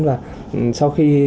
và sau khi nghiên cứu